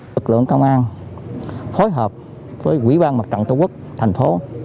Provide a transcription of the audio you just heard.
tổ tựu công an phối hợp với quỹ ban mặt trận tổ quốc thành phố